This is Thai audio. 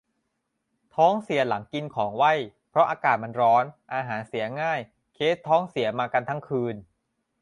ท้องเสียหลังกินของไหว้ เพราะอากาศมันร้อน อาหารเสียง่าย เคสท้องเสียมากันทั้งคืน